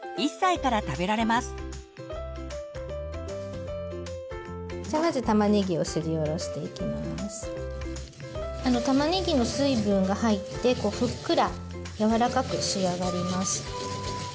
たまねぎの水分が入ってふっくらやわらかく仕上がります。